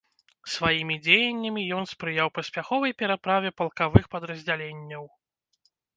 Сваімі дзеяннямі ён спрыяў паспяховай пераправе палкавых падраздзяленняў.